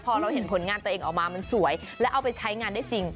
พอเราเห็นผลงานตัวเองออกมามันสวยแล้วเอาไปใช้งานได้จริง